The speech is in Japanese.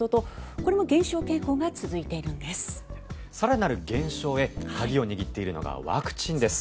更なる減少へ鍵を握っているのがワクチンです。